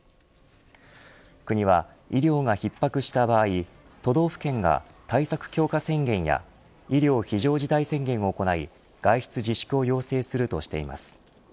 国は、医療が逼迫した場合都道府県が、対策強化宣言や医療非常事態宣言を行い外出自粛を要請するとしています。